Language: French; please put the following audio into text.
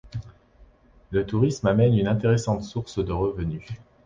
Le tourisme amène une intéressante source de revenus.